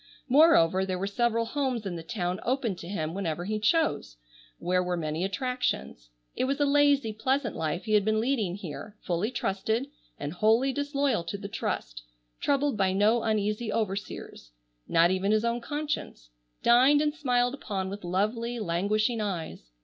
Moreover there were several homes in the town open to him whenever he chose, where were many attractions. It was a lazy pleasant life he had been leading here, fully trusted, and wholly disloyal to the trust, troubled by no uneasy overseers, not even his own conscience, dined and smiled upon with lovely languishing eyes.